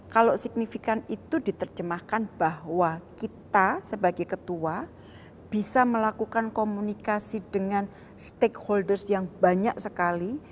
kalau signifikan itu diterjemahkan bahwa kita sebagai ketua bisa melakukan komunikasi dengan stakeholders yang banyak sekali